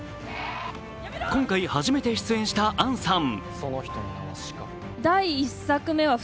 今回初めて出演した杏さん。